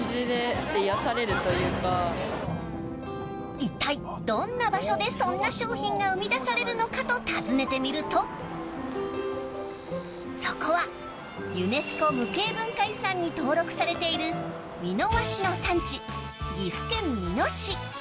いったい、どんな場所でそんな商品が生み出されるのかと訪ねてみるとそこはユネスコ無形文化遺産に登録されている美濃和紙の産地、岐阜県美濃市。